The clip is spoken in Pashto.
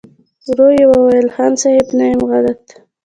ورو يې وويل: خان صيب! نه يم غلط.